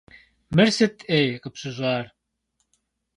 Мыр сыт, ӏей, къыпщыщӏар?